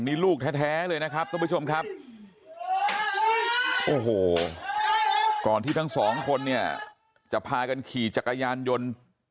นี่ลูกแท้เลยนะครับทุกผู้ชมครับโอ้โหก่อนที่ทั้งสองคนเนี่ยจะพากันขี่จักรยานยนต์